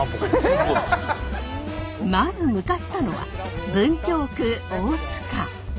まず向かったのは文京区大塚。